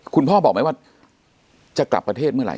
คุณพ่อบอกไหมว่าจะกลับประเทศเมื่อไห